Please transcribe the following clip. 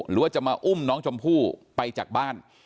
หรือว่าจะมาอุ้มน้องชมพู่ไปจากบ้าน